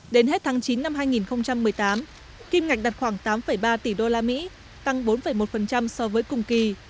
đến hết tháng chín năm hai nghìn một mươi tám kim ngạch đạt khoảng tám ba tỷ usd tăng bốn một so với cùng kỳ